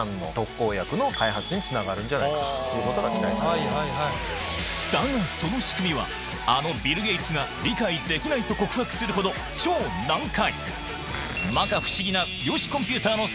今話題の夢のマシンえ⁉だがその仕組みはあのビル・ゲイツが理解できないと告白するほど超難解！